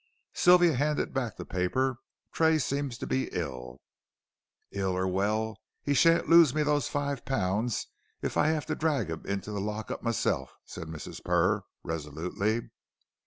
Sylvia handed back the paper. "Tray seems to be ill." "Ill or well, he sha'n't lose me five pun, if I 'ave to drag 'im to the lock up m'self," said Mrs. Purr, resolutely.